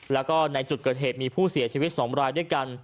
แล้วก็ในจุดเกิดเหตุมีผู้เสียชีวิต๒รายด้วยกัน